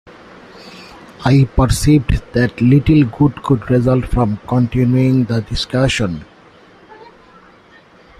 I perceived that little good could result from continuing the discussion.